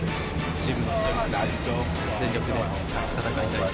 チームのために全力で戦いたい。